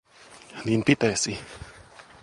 Niin pitäisi.